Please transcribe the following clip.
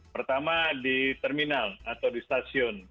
pertama di terminal atau di stasiun